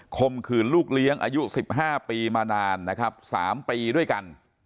มขืนลูกเลี้ยงอายุ๑๕ปีมานานนะครับ๓ปีด้วยกัน